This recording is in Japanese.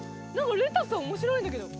レタス面白いんだけど。